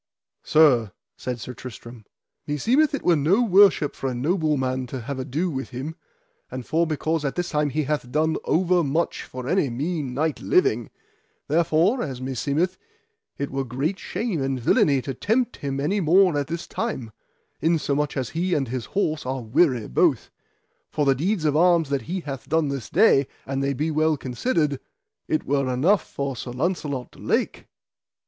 Sir, said Sir Tristram, meseemeth it were no worship for a noble man to have ado with him: and for because at this time he hath done over much for any mean knight living, therefore, as meseemeth, it were great shame and villainy to tempt him any more at this time, insomuch as he and his horse are weary both; for the deeds of arms that he hath done this day, an they be well considered, it were enough for Sir Launcelot du Lake.